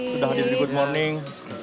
sudah hadir di good morning